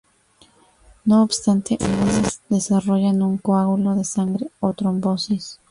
No obstante, algunas desarrollan un coágulo de sangre, o trombosis.